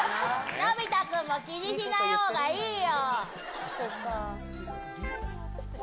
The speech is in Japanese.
のび太君も気にしないほうがいいよ。